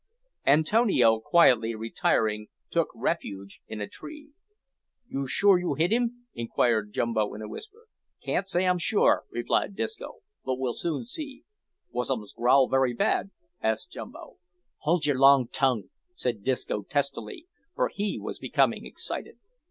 Antonio, quietly retiring, took refuge in a tree. "Yoo's sure you hit um?" inquired Jumbo in a whisper. "Can't say I'm sure," replied Disco, "but we'll soon see." "Was um's growl very bad?" asked Jumbo. "Hold yer long tongue!" said Disco testily, for he was becoming excited.